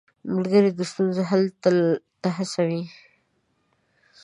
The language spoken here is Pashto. ملګری د ستونزو حل ته هڅوي.